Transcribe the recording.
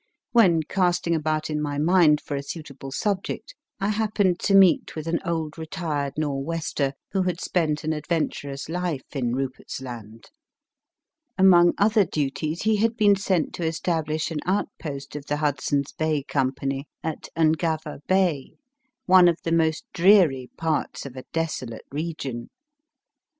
When casting about in my mind for a suitable subject, I happened to meet with an old retired Nor wester who had spent an adventurous life in Rupert s Land. Among other duties he had been sent to establish an outpost of the Hudson s Bay Company at Ungava Bay, one of the most dreary parts of a desolate region.